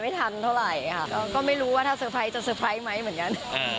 ทันเท่าไหร่ค่ะก็ไม่รู้ว่าถ้าเตอร์ไพรสจะเตอร์ไพรส์ไหมเหมือนกัน